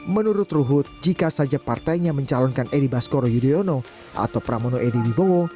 menurut ruhut jika saja partainya mencalonkan edi baskoro yudhoyono atau pramono edi wibowo